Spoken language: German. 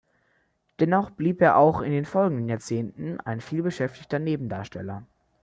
Dennoch blieb er auch in den folgenden Jahrzehnten ein vielbeschäftigter Nebendarsteller.